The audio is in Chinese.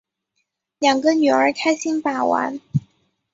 两个女儿开心把玩